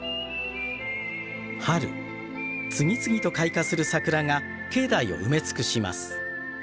春次々と開花する桜が境内を埋め尽くします。